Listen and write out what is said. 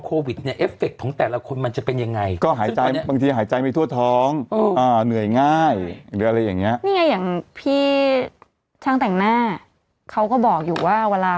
คุณหนุ่มเลิศหนุ่มเก่งไม่ใช่มันต้องเป็นอย่างนั้นไงถูกว่า